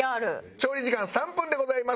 調理時間３分でございます。